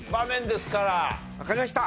わかりました！